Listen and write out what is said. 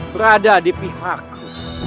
berada di pihakku